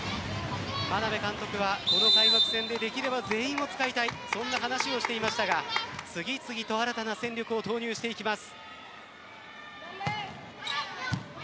眞鍋監督は、この開幕戦でできれば全員を使いたいそんな話をしていましたが次々と新たな戦力を投入していきます。